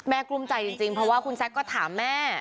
กลุ้มใจจริงเพราะว่าคุณแซคก็ถามแม่